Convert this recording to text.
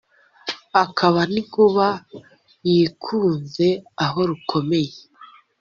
akaba n' inkuba yikunze aho rukomeye